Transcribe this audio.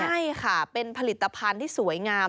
ใช่ค่ะเป็นผลิตภัณฑ์ที่สวยงาม